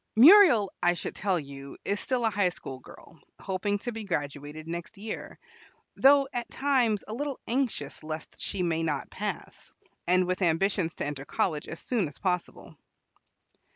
Muriel, I should tell you, is still a high school girl, hoping to be graduated next year, though at times a little anxious lest she may not pass, and with ambitions to enter college as soon as possible.